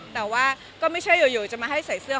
แต่ว่าก็ไม่ใช่อยู่จะมาให้ใส่เสื้อ